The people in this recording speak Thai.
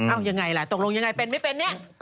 อ้าวอย่างไรล่ะตกลงอย่างไรเป็นไม่เป็นเนี่ย